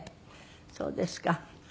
そうですか。